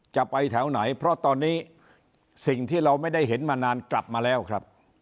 จะไปแถวไหนเพราะตอนนี้สิ่งที่เราไม่ได้เห็นมานานกลับมาแล้วครับ